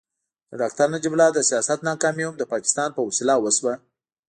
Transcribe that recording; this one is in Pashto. د ډاکټر نجیب الله د سیاست ناکامي هم د پاکستان په وسیله وشوه.